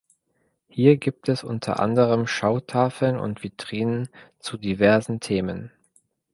Hier gibt es unter anderem Schautafeln und Vitrinen zu diversen Themen